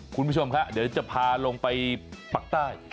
คุณผู้ชมฮะเดี๋ยวจะพาลงไปปักใต้